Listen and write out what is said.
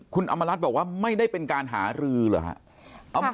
คุณอำมารัฐบอกว่าไม่ได้เป็นการหารือเหรอครับ